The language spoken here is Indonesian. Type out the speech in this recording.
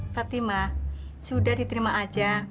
fatimah sudah diterima aja